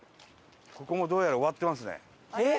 ここもどうやら終わってますね。